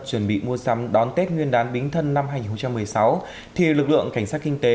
chuẩn bị mua sắm đón tết nguyên đán bính thân năm hai nghìn một mươi sáu thì lực lượng cảnh sát kinh tế